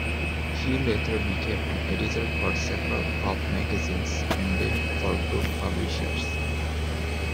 He later became an editor for several pulp magazines and then for book publishers.